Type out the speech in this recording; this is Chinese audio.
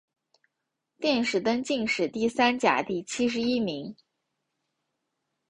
殿试登进士第三甲第七十一名。